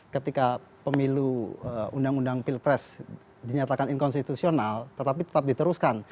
ketika pemilu undang undang pilpres dinyatakan inkonstitusional tetapi tetap diteruskan